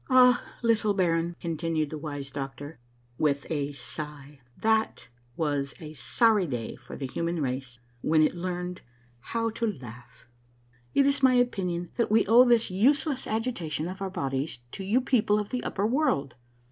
" Ah, little baron," continued the wise doctor Avith a sigh, " that Avas a sorry day for the human race Avhen it learned hoAV to laugh. It is my opinion that we owe this useless agitation A MARVELLOUS UNDERGROUND JOURNEY 65 of our bodies to you people of the upper world.